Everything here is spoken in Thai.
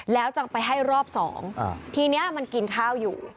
แล้วจะไปให้รอบสองทีนี้มันกินข้าวอยู่